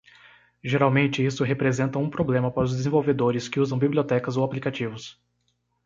Geralmente, isso representa um problema para os desenvolvedores que usam bibliotecas ou aplicativos.